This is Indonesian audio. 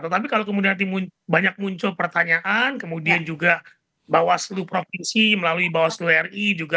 tetapi kalau kemudian nanti banyak muncul pertanyaan kemudian juga bawaslu provinsi melalui bawaslu ri juga